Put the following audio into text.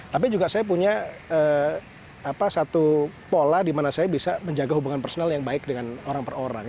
tapi juga saya punya satu pola di mana saya bisa menjaga hubungan personal yang baik dengan orang per orang